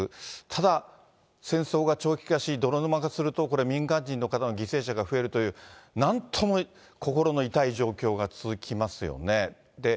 ただ戦争が長期化し、泥沼化するとこれ、民間人の方の犠牲者が増えるという、なんとも心の痛い状況が続きますよね。